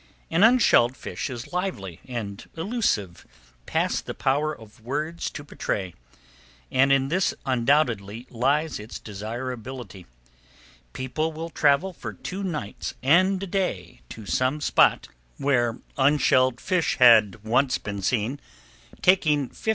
An unshelled fish is lively and elusive past the power of words to portray, and in this, undoubtedly, lies its desirability. People will travel for two nights and a day to some spot [Page 2] where all unshelled fish has once been seen, taking $59.